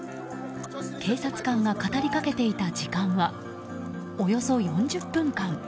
警察官が語りかけていた時間はおよそ４０分間。